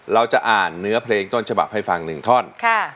เราจะอ่านเนื้อเพลงต้นฉบับให้ฟัง๑ท่อน